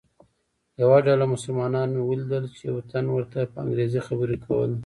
یوه ډله مسلمانان مې ولیدل چې یوه تن ورته په انګریزي خبرې کولې.